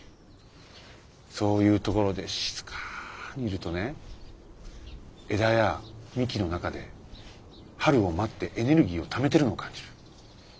そういうところで静かにいるとね枝や幹の中で春を待ってエネルギーをためてるのを感じる。